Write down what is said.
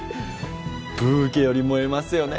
ブーケより萌えますよね